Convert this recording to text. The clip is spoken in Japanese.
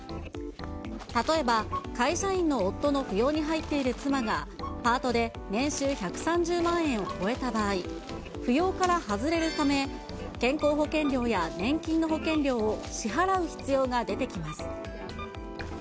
例えば、会社員の夫の扶養に入っている妻がパートで年収１３０万円を超えた場合、扶養から外れるため、健康保険料や年金の保険料を支払う必要が出てきます。